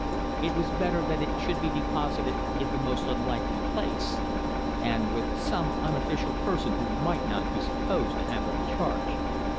It was better that it should be deposited in the most unlikely place, and with some unofficial person who might not be supposed to have it in charge.